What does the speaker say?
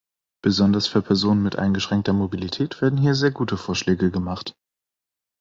Besonders für Personen mit eingeschränkter Mobilität werden hier sehr gute Vorschläge gemacht.